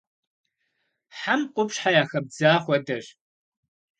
Хьэм къупщхьэ яхэбдза хуэдэщ.